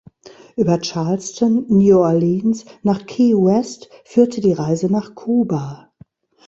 Über Charleston, New Orleans nach Key West, führte die Reise nach Kuba.